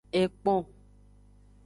Ekpon.